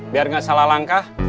biar gak salah langkah